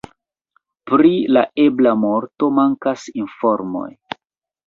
Pri la ebla morto mankas informoj.